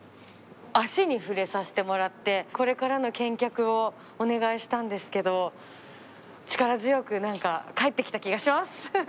足に触れさせてもらってこれからの健脚をお願いしたんですけど力強く何か返ってきた気がします！